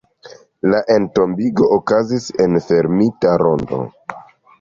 La entombigo okazis en fermita rondo.